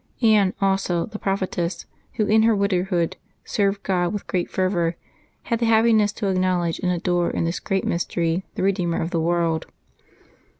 Anne, also, the prophetess, who in her widowhood served God with great fervor, had the happiness to acknowledge and adore in this great mystery the Eedeemer of the world.